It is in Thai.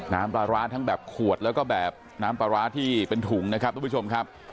น้ำปลาร้าทั้งแบบขวดแล้วก็แบบน้ำปลาร้าที่เป็นถุงนะครับทุกผู้ชมครับ